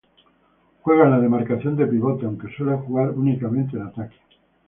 Juega en la demarcación de pivote aunque suele jugar únicamente en ataque.